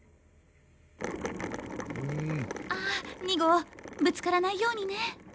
あ２号ぶつからないようにね。